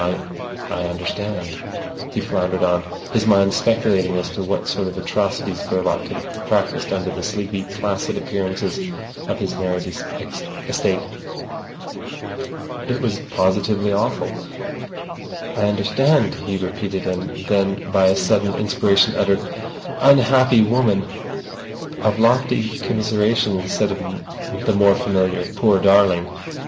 I—I understand," he floundered on, his mind speculating as to what sort of atrocities Verloc could have practised under the sleepy, placid appearances of his married estate. It was positively awful. "I understand," he repeated, and then by a sudden inspiration uttered an—"Unhappy woman!" of lofty commiseration instead of the more familiar "Poor darling!"